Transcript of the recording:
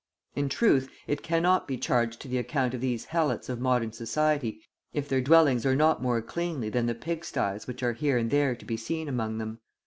In truth, it cannot be charged to the account of these helots of modern society if their dwellings are not more cleanly than the pig sties which are here and there to be seen among them.